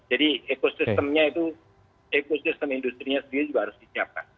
jadi ekosistemnya itu ekosistem industri sendiri juga harus disiapkan